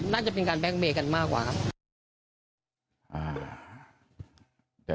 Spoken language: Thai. น่าจะเป็นการแบงคเมย์กันมากกว่าครับ